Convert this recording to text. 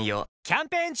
キャンペーン中！